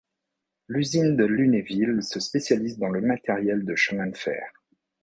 L'usine de Lunéville se spécialise dans le matériel de chemin de fer.